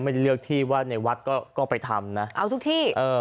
เลือกที่ว่าในวัดก็ก็ไปทำนะเอาทุกที่เออ